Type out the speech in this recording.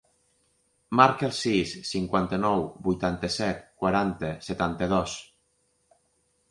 Marca el sis, cinquanta-nou, vuitanta-set, quaranta, setanta-dos.